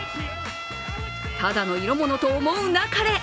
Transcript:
ただの色物と思うなかれ。